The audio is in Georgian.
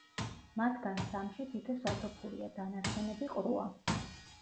მათგან სამში თითო სათოფურია, დანარჩენები ყრუა.